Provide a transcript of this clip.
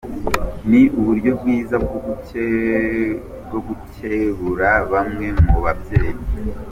"Ni uburyo bwiza bwo gukebura bamwe mu babyeyi.